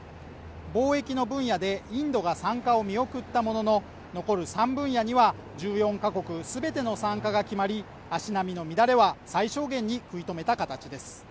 貿易の分野でインドが参加を見送ったものの残る３分野には１４か国すべての参加が決まり足並みの乱れは最小限に食い止めた形です